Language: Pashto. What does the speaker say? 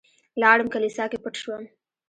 لاړم کليسا کې پټ شوم.